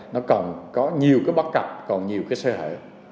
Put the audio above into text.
nó còn có nhiều cái bắt cặp còn nhiều cái sơ hở